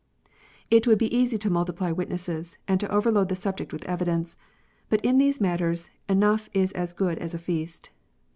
It would be easy to multiply witnesses, and to overload the subject with evidence. But in these matters enough is as good as a feast.